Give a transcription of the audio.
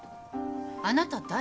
あなた誰？